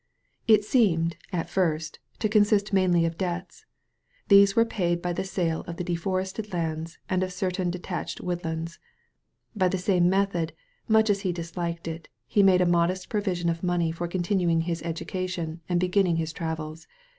It seemed, at first, to consist mainly of debts. These were paid by the sale of the deforested lands and of certain detached woodlands. By the same method, much as he disliked it, he made a modest provision of money for continuing his education and beginning his travels.